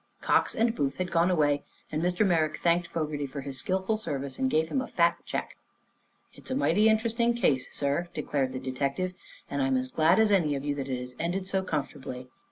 Cox and Booth had gone away and Mr. Merrick thanked Fogerty for his skillful service and gave him a fat check. "It's a mighty interesting case, sir," declared the detective, "and I'm as glad as any of you that it has ended so comfortably.